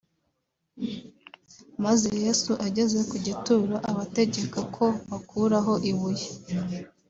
Maze Yesu ageze ku gituro abategeka ko bakuraho ibuye